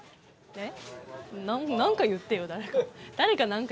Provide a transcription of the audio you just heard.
えっ？